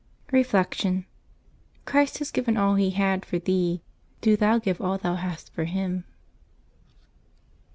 Reflection. — Christ has given all He had for thee; do thou give all thou hast for Him.